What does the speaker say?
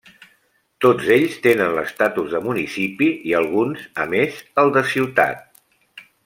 Tots ells tenen l'estatus de municipi i alguns, a més, el de ciutat.